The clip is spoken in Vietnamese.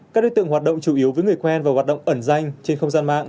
các đối tượng hoạt động chủ yếu với người quen và hoạt động ẩn danh trên không gian mạng